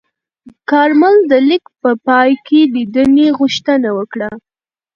کارمل د لیک په پای کې لیدنې غوښتنه وکړه.